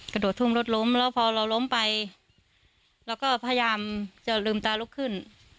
โดดทุ่มรถล้มแล้วพอเราล้มไปเราก็พยายามจะลืมตาลุกขึ้น